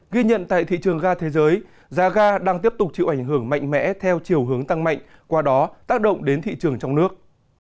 ghi nhận tại thị trường ga thế giới giá ga đang tiếp tục chịu ảnh hưởng mạnh mẽ theo chiều hướng tăng mạnh qua đó tác động đến thị trường trong nước